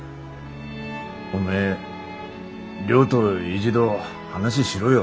おめえ亮と一度話しろよ。